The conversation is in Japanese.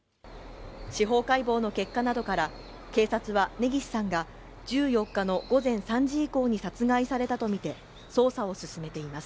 司法解剖の結果などから警察は根岸さんが１４日の午前３時以降に殺害されたと見て捜査を進めています